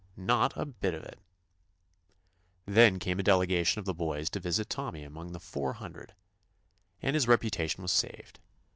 Not a bit of it I Then came a delegation of the boys to visit Tommy among the "four hundred," and his reputation was saved.